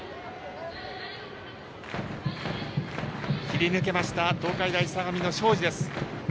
切り抜けました東海大相模の庄司。